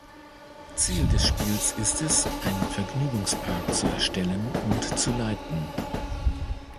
Ziel des Spiels ist es, einen Vergnügungspark zu erstellen und zu leiten.